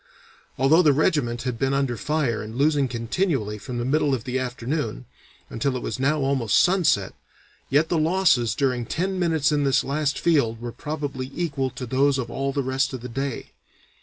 Although the regiment had been under fire and losing continually from the middle of the afternoon, until it was now almost sunset, yet the losses during ten minutes in this last field were probably equal to those of all the rest of the day.